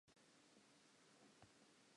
Na o kile wa bona letshwao lena?